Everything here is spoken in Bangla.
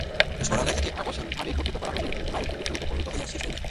একটি সরল রেখাকে অসীমভাবে বর্ধিত করা হইলে উহা একটি বৃত্তরূপে পরিণত হইয়া শেষ হইবে।